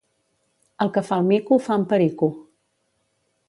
El que fa el mico fa en Perico.